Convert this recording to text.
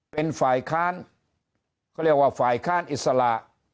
เป็นฝ่ายค้านเขาเรียกว่าฝ่ายค้านอิสระ